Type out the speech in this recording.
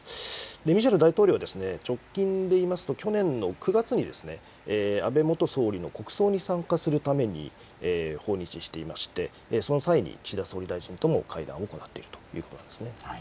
ミシェル大統領は直近でいいますと去年の９月に、安倍元総理の国葬に参加するために訪日していまして、その際に岸田総理大臣とも会談を行っているということなんですね。